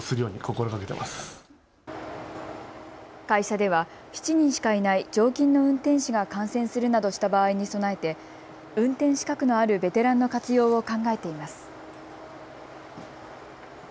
会社では７人しかいない常勤の運転士が感染するなどした場合に備えて運転資格のあるベテランの活用を考えています。